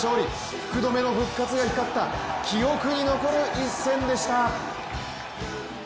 福留の復活が光った記憶に残る一戦でした！